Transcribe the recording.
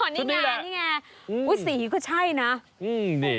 นี่แหงสีก็ใช่นะ